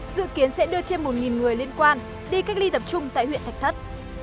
dự kiến sẽ đưa trên một người liên quan đi cách ly tập trung tại huyện thạch thất